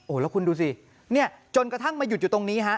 แล้วคุณดูสิเนี่ยจนกระทั่งมาหยุดอยู่ตรงนี้ฮะ